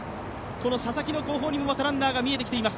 この佐々木の後方にもランナーが見えてきています。